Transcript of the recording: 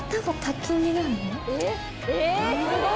えっ？